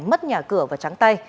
mất nhà cửa và trắng tay